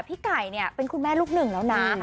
พี่ไก่เนี่ยเป็นคุณแม่ลูกหนึ่งแล้วนะ